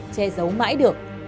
che giấu mãi được